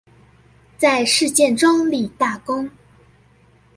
在事件中建立大功